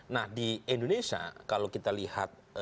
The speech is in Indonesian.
nah di indonesia kalau kita lihat